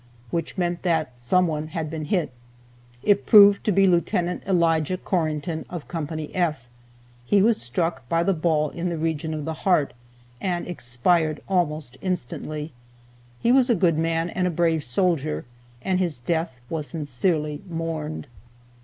which meant that someone had been hit. It proved to be Lieutenant Elijah Corrington, of Co. F. He was struck by the ball in the region of the heart, and expired almost instantly. He was a good man, and a brave soldier, and his death was sincerely mourned.